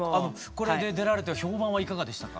これで出られて評判はいかがでしたか？